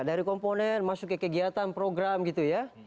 dari komponen masuk ke kegiatan program gitu ya